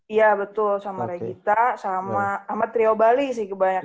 iya betul sama regita sama trio bali sih kebanyakan